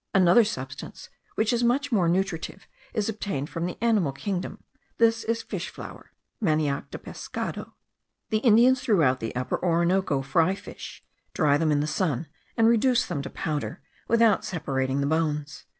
Another substance, which is much more nutritive, is obtained from the animal kingdom: this is fish flour (manioc de pescado). The Indians throughout the Upper Orinoco fry fish, dry them in the sun, and reduce them to powder without separating the bones.